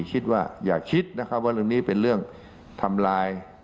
แต่ก็ดีอย่าคิดว่าวันนี้เป็นเรื่องทำลาย